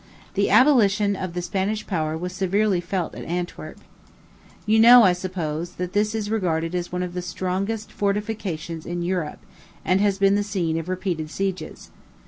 The abolition of the Spanish power was severely felt at Antwerp. You know, I suppose, that this is regarded as one of the strongest fortifications in Europe, and has been the scene of repeated sieges.